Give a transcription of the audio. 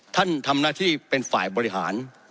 ท่านทำหน้าที่เป็นฝ่ายบริหาร